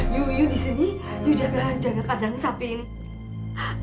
you disini you jaga kadang sapi ini